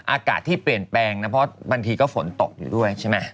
อากาศที่เปลี่ยนแปลงนะเพราะบางทีก็ฝนตกอยู่ด้วยใช่ไหม